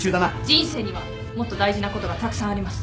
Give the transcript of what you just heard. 人生にはもっと大事なことがたくさんあります。